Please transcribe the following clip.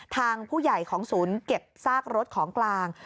ทางผู้ใหญ่ของศูนย์เก็บซากรถของกลาง